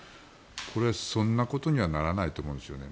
これ、そんなことにはならないと思うんですよね。